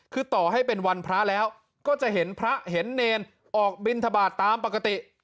คือต่อให้เป็นวันพระแล้วก็จะเห็นพระเห็นเนรออกบินทบาทตามปกติ